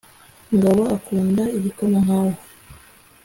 Ngabo akunda igikoma nkawe